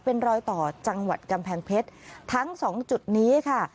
เป็นรอยต่อจังหวัดกำแพงเพชรทั้งสองจุดนี้ค่ะ